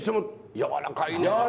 やわらかい！